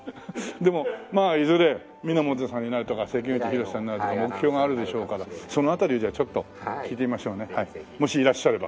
でもまあいずれみのもんたさんになるとか関口宏さんになるとか目標があるでしょうからその辺りじゃあちょっと聞いてみましょうねもしいらっしゃれば。